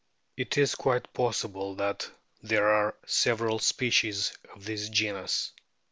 It is quite possible that there are several species of the genus.